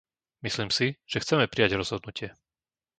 Myslím si, že chceme prijať rozhodnutie.